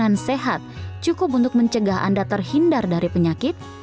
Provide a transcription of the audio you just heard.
makanan sehat cukup untuk mencegah anda terhindar dari penyakit